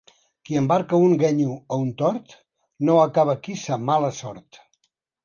Qui embarca un guenyo o un tort, no acaba aquí sa mala sort.